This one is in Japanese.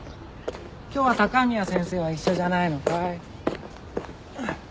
今日は高宮先生は一緒じゃないのかい？